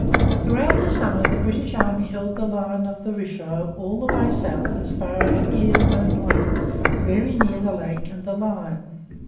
Throughout the summer the British army held the line of the Richelieu all the way south as far as Isle aux Noix, very near the lake and the line.